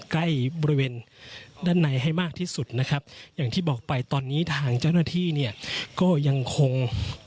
ใกล้บริเวณด้านในให้มากที่สุดนะครับอย่างที่บอกไปตอนนี้ทางเจ้าหน้าที่เนี่ยก็ยังคง